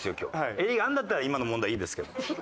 襟があるんだったら今の問題いいですけど。